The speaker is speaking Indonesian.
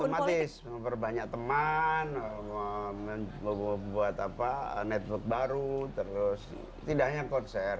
ya otomatis memperbanyak teman membuat apa netbook baru terus tidak hanya konser